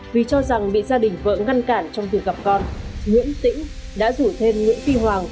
vì cho rằng bị gia đình vợ ngăn cản trong việc gặp con nguyễn tĩnh đã rủ thêm nguyễn phi hoàng